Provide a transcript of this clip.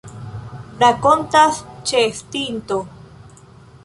Rakontas ĉeestinto.